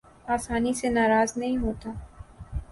آسانی سے ناراض نہیں ہوتا